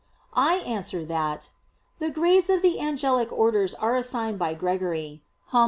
I answer that, The grades of the angelic orders are assigned by Gregory (Hom.